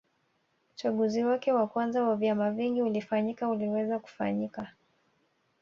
Uchaguzi wake wa kwanza wa vyama vingi ulifanyika uliweza kufanyika